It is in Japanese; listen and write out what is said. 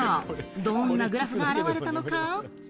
どんなグラフが現れたのか？